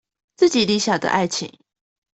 自己理想的愛情